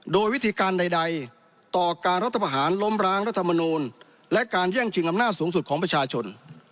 โดยวิธีการใดต่อการรัฐประหารล้มร้างรัฐมนูลและการแย่งชิงอำนาจสูงสุดของประชาชน